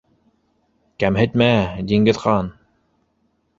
Кәмһетмә, Диңгеҙхан!